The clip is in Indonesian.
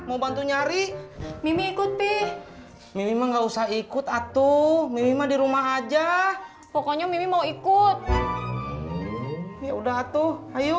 hai mau bantu nyari mimikut pih memang nggak usah ikut atuh memang di rumah aja pokoknya mimikut yaudah atuh ayo